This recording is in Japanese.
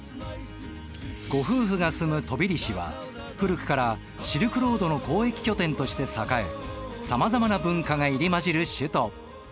ご夫婦が住むトビリシは古くからシルクロードの交易拠点として栄えさまざまな文化が入り交じる首都。